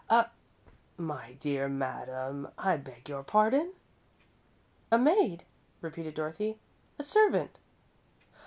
"A my dear madam, I beg your pardon?" "A maid," repeated Dorothy; "a servant."